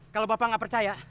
kalau bapak gak percaya